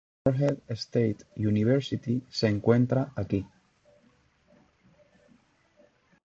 Morehead State University se encuentra aquí.